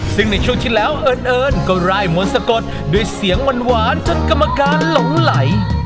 ซึ่งในช่วงที่แล้วเอิ้นเอิ้นก็รายหมวนสะกดด้วยเสียงหวานหวานจนกรรมการหลงไหล